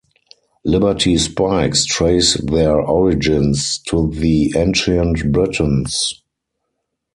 Liberty spikes trace their origins to the Ancient Britons.